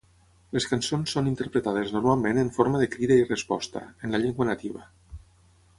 Les cançons són interpretades normalment en forma de crida i resposta, en la llengua nativa.